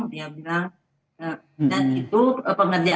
dia bilang dan itu pekerjaannya berubah